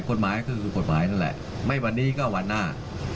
กฎหมายก็คือกฎหมายนั่นแหละไม่วันนี้ก็วันหน้า